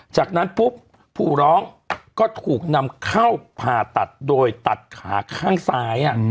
จากนั้นปุ๊บผู้ร้องก็ถูกนำเข้าผ่าตัดโดยตัดขาข้างซ้าย